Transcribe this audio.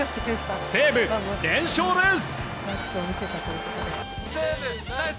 西武、連勝です。